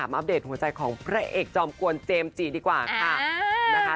อัปเดตหัวใจของผู้เก็บความรักเจมป์จิดีกว่าค่ะ